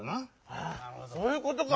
そういうことか！